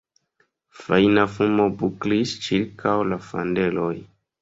Fajna fumo buklis ĉirkaŭ la kandeloj.